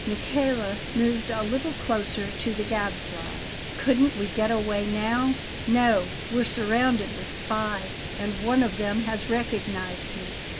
Michele moved a little closer to the Gadfly. "Couldn't we get away now?" "No; we're surrounded with spies, and one of them has recognized me.